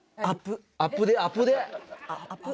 アプデアプデ！